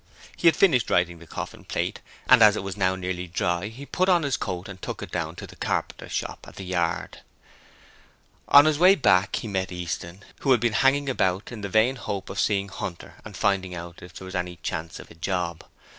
He had finished writing the coffin plate, and as it was now nearly dry he put on his coat and took it down to the carpenter's shop at the yard. On his way back he met Easton, who had been hanging about in the vain hope of seeing Hunter and finding out if there was any chance of a job.